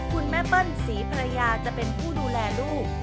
คุณแม่เปิ้ลศรีภรรยาจะเป็นผู้ดูแลลูก